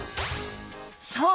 そう！